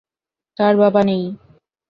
তার বাবা নেই।